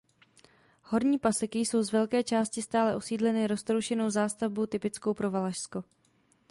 Horní Paseky jsou z velké části stále osídleny roztroušenou zástavbou typickou pro Valašsko.